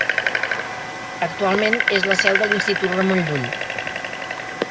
Actualment és la seu de l'Institut Ramon Llull.